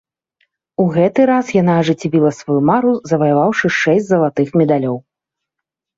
У гэты раз яна ажыццявіла сваю мару, заваяваўшы шэсць залатых медалёў.